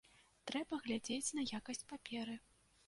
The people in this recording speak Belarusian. Трэба глядзець на якасць паперы.